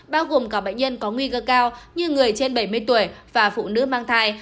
bao gồm cả bệnh nhân có nguy cơ cao như người trên bảy mươi tuổi và phụ nữ mang thai